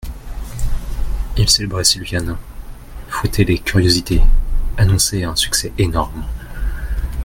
Il célébrait Silviane, fouettait les curiosités, annonçait un succès énorme.